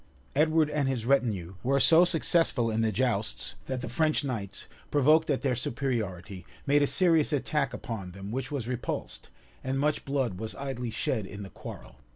Edward and his retinue were so successful in the jousts, that the French knights, provoked at their superiority, made a serious attack upon them, which was repulsed, and much blood was idly shed in the quarrel.